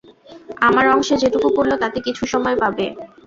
আমার অংশে যেটুকু পড়ল তাতে কিছু সময় পাবে।